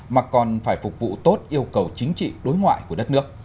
mà còn phải phục vụ tốt yêu cầu chính trị đối ngoại của đất nước